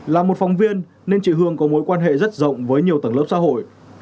là một phóng viên nên chị hương có mối quan hệ rất rộng với nhiều tầng lớp xã hội